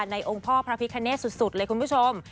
ในองค์พ่อพระพิคเนตสุดเลยคุณผู้ชม